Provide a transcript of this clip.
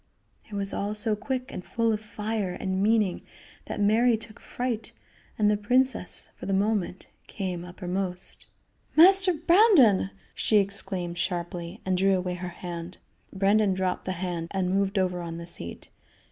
It was all so quick and so full of fire and meaning that Mary took fright, and the princess, for the moment, came uppermost. "Master Brandon!" she exclaimed sharply, and drew away her hand. Brandon dropped the hand and moved over on the seat.